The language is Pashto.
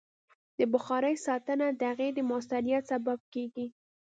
د بخارۍ ساتنه د هغې د مؤثریت سبب کېږي.